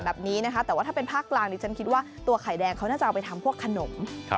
แบบนี้นะคะแต่ว่าถ้าเป็นภาคกลางดิฉันคิดว่าตัวไข่แดงเขาน่าจะเอาไปทำพวกขนม